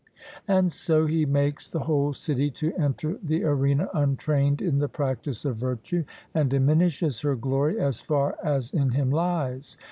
And so he makes the whole city to enter the arena untrained in the practice of virtue, and diminishes her glory as far as in him lies.